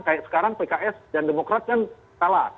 kayak sekarang pks dan demokrat kan kalah